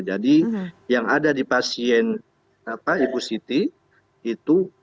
jadi yang ada di pasien ibu siti itu